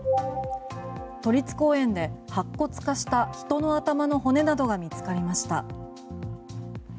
都立公園で白骨化した人の頭の骨などが見つかりました。